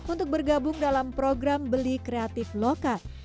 untuk bergabung dalam program beli kreatif lokal